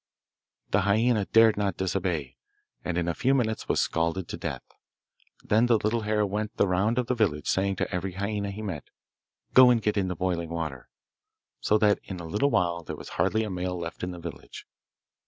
The hyaena dared not disobey, and in a few minutes was scalded to death. Then the little hare went the round of the village, saying to every hyaena he met, 'Go and get into the boiling water,' so that in a little while there was hardly a male left in the village.